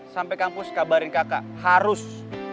sampai kampus kabarin kakak harus